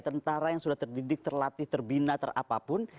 tentara yang sudah terdidik terlatih terbina terapapun